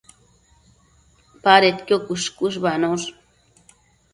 Badedquio cuësh-cuëshbanosh